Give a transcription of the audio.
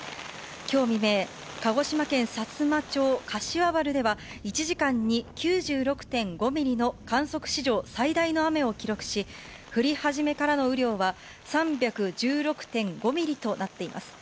きょう未明、鹿児島県薩摩地方かしわばるでは１時間に９５ミリの観測史上最大の雨を記録し、降り始めからの雨量は３１６．５ミリとなっています。